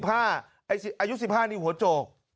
อายุ๑๕นี่หัวโจก